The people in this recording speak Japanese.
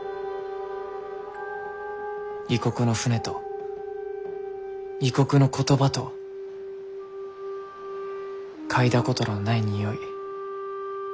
異国の船と異国の言葉と嗅いだことのない匂い。